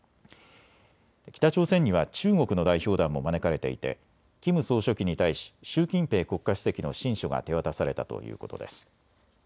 北朝鮮には中国の代表団も招かれていてキム総書記に対し習近平国家主席の親書が手渡されたということです。